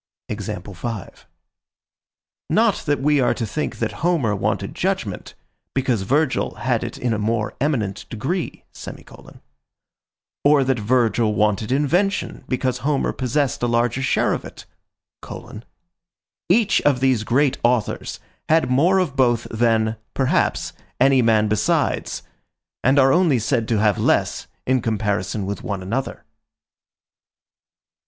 Not that we are to think that Homer wanted judgment, because Virgil had it in a more eminent degree; or that Virgil wanted invention, because Homer possessed a larger share of it: each of these great authors had more of both than, perhaps, any man besides, and are only said to have less in comparison with one another.